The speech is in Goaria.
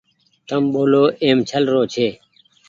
تم ٻولو ايم ڇلرو ڇي